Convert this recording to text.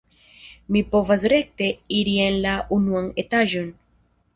Vi povas rekte iri en la unuan etaĝon.